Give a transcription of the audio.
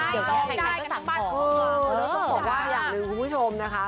ต้องบอกอย่างนึงคุณผู้ชมนะคะ